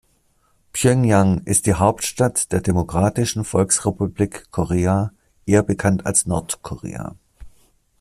Pjöngjang ist die Hauptstadt der Demokratischen Volksrepublik Korea, eher bekannt als Nordkorea.